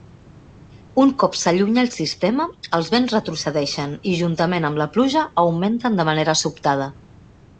Un cop s'allunya el sistema, els vents retrocedeixen i, juntament amb la pluja, augmenten de manera sobtada.